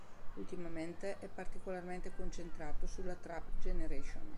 Ultimamente è particolarmente concentrato sulla Trap Generation.